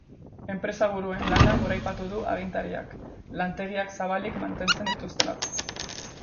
Enpresaburuen lana goraipatu du agintariak, lantegiak zabalik mantentzen dituztelako.